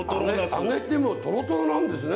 揚げてもとろとろなんですね。